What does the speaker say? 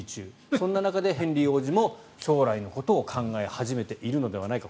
そんな中でヘンリー王子も将来のことを考え始めているのではないか。